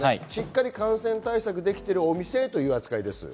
感染対策できているお店という扱いです。